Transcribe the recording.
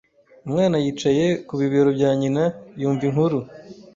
Umwana yicaye ku bibero bya nyina yumva inkuru.